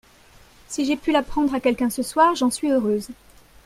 Si j’ai pu l’apprendre à quelqu’un ce soir, j’en suis heureuse.